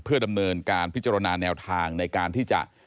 ดำเนินการพิจารณาแนวทางในการที่จะ